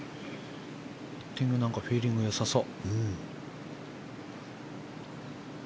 パッティングフィーリングよさそう。